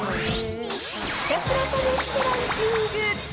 ひたすら試してランキング。